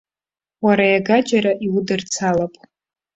Уара иагаџьара иудырцалап.